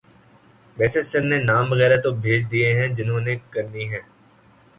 ویسے سر نے نام وغیرہ تو بھیج دیے ہیں جنہوں نے کرنی ہے۔